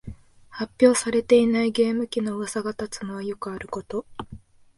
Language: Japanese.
発表されていないゲーム機のうわさが立つのはよくあること